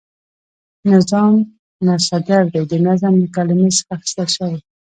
نظام مصدر دی د نظم له کلمی څخه اخیستل شوی،